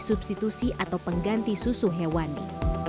substitusi atau pengganti susu hewani